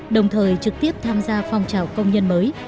đồng thời trực tiếp tham gia phong trào công nhân mới